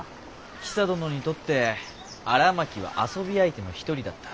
ヒサ殿にとって荒巻は遊び相手の一人だった。